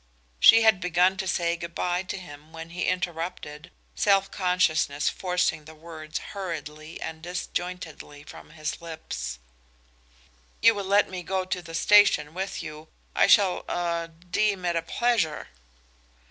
She had begun to say good by to him when he interrupted, self consciousness forcing the words hurriedly and disjointedly from his lips: "You will let me go to the station with you. I shall er deem it a pleasure."